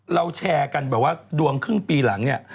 เราแชร์กันดวงครึ่งปีหลังเนี่ย